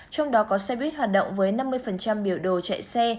trong đó có xe buýt hoạt động với năm mươi biểu đồ chạy xe